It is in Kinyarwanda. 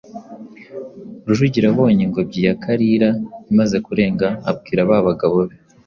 Rujugira abonye ingobyi ya Kalira imaze kurenga abwira ba bagabo be,